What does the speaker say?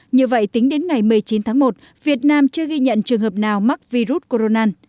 như vậy tính đến ngày một mươi chín tháng một việt nam chưa ghi nhận trường hợp nào mắc virus corona